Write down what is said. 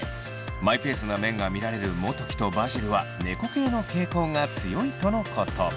マイペースな面が見られるモトキとバジルは猫系の傾向が強いとのこと。